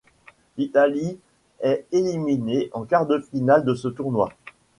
L'Italie est éliminée en quarts de finale de ce tournoi.